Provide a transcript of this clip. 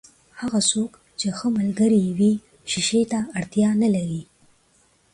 هغه څوک چې ښه ملګری يې وي، شیشې ته اړتیا نلري.